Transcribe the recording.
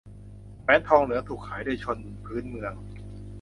แหวนทองเหลืองถูกขายโดยชนพื้นเมือง